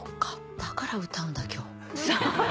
だから歌うんだ今日。